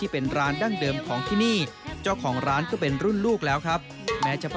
ไปต่อกันที่เชียงครานจังหวัดเลยกันบ้าง